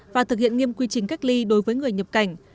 và thực hiện nghiêm quy trình cách ly đối với người nhập cảnh